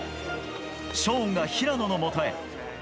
ショーンが平野のもとへ。